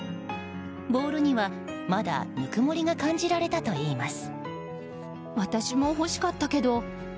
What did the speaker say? ボールには、まだぬくもりが感じられたといいます。